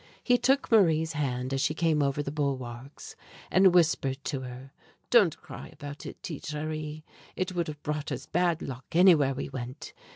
He took Marie's hand as she came over the bulwarks, and whispered to her: "Don't cry about it, 'Tite Chérie, it would have brought us bad luck anywhere we went.